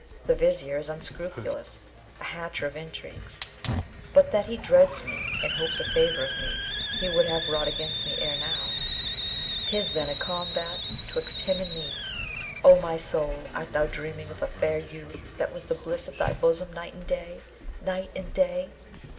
The Vizier is unscrupulous, a hatcher of intrigues; but that he dreads me and hopes a favour of me, he would have wrought against me ere now. 'Tis then a combat 'twixt him and me. O my soul, art thou dreaming of a fair youth that was the bliss of thy bosom night and day, night and day?